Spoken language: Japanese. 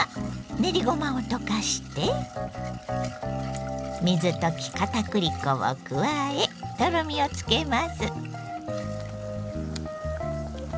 練りごまを溶かして水溶きかたくり粉を加えとろみをつけます。